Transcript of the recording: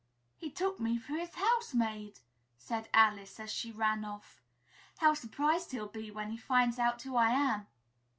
"He took me for his housemaid!" said Alice, as she ran off. "How surprised he'll be when he finds out who I am!"